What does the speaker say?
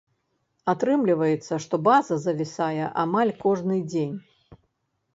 Атрымліваецца, што база завісае амаль кожны дзень.